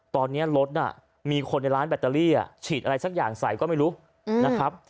ตอนนี้รถมีคนในร้านแบตเตอรี่ฉีดอะไรสักอย่างใส่ก็ไม่รู้นะครับ